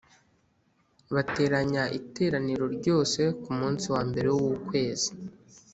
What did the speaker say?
bateranya iteraniro ryose ku munsi wa mbere w’ukwezi